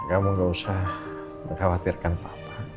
kamu gak usah mengkhawatirkan papa